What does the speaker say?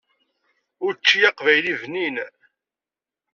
Učči aqbayli bnin.